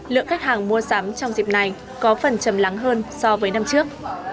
lượng khách hàng mua sắm trong dịp này có phần chầm lắng hơn so với năm trước